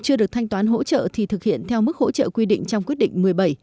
chưa được thanh toán hỗ trợ thì thực hiện theo mức hỗ trợ quy định trong quyết định một mươi bảy